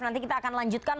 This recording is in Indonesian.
nanti kita akan lanjutkan